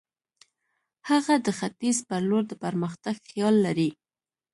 هغه د ختیځ پر لور د پرمختګ خیال لري.